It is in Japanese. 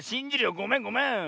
ごめんごめん。